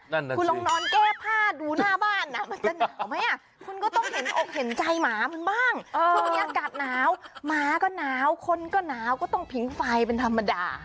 คุณลองนอนแก้ผ้าดูหน้าบ้านน่ะมันจะหนาวไหม